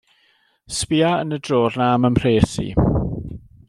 Sbïa yn y drôr 'na am 'y mhres i.